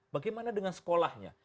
bagaimana dengan sekolahnya